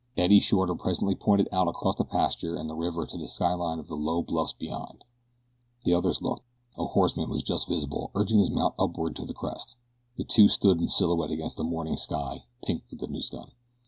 Eddie Shorter presently pointed out across the pasture and the river to the skyline of the low bluffs beyond. The others looked. A horseman was just visible urging his mount upward to the crest, the two stood in silhouette against the morning sky pink with the new sun.